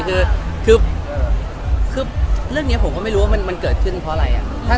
คือเรื่องนี้ผมก็ไม่รู้ว่ามันเกิดขึ้นเพราะอะไร